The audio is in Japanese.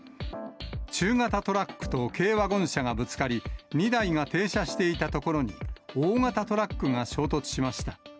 中型トラックと軽ワゴン車がぶつかり、２台が停車していたところに大型トラックが衝突しました。